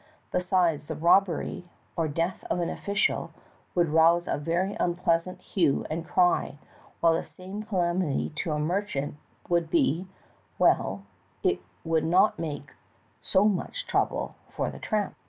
Besides, the robbery or death of an official would rouse a very unpleasant hue and cry, while the same calamity to a mer chant would be — well, it would not make so much trouble for the tramp.